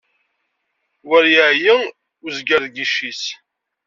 Wer yeɛyi wezgar deg yic-is.